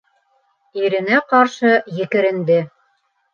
Иренә ҡаршы екеренде: